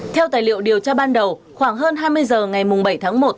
theo tài liệu điều tra ban đầu khoảng hơn hai mươi h ngày bảy tháng một